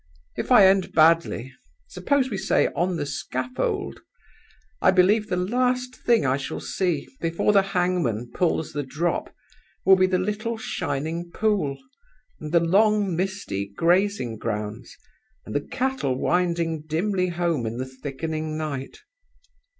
If I end badly suppose we say on the scaffold? I believe the last thing I shall see, before the hangman pulls the drop, will be the little shining pool, and the long, misty grazing grounds, and the cattle winding dimly home in the thickening night.